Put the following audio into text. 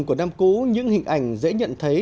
cứu những hình ảnh dễ nhận thấy